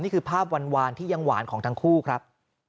นี่คือภาพหวานที่ยังหวานของทั้งคู่ครับ